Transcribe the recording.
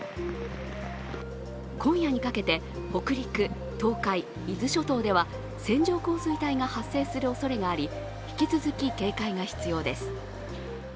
今夜にかけて北陸、東海、伊豆諸島では線状降水帯が発生するおそれがあり、引き続き警戒が必要です。